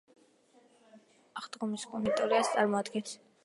აღდგომის კუნძული ჩილეს სპეციალურ ტერიტორიას წარმოადგენს.